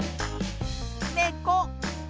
ねこ。